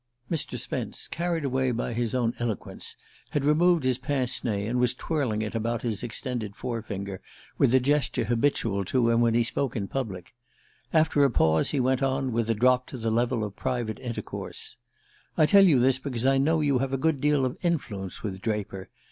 Mr. Spence, carried away by his own eloquence, had removed his pince nez and was twirling it about his extended fore finger with the gesture habitual to him when he spoke in public. After a pause, he went on, with a drop to the level of private intercourse: "I tell you this because I know you have a good deal of influence with Draper.